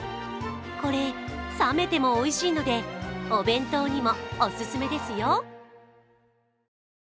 これ、冷めてもおいしいので、お弁当にもオススメですよ。